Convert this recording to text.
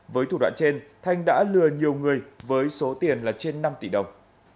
với thủ đoạn trên thanh đã lừa nhiều người với số tiền là trên năm tỷ đồng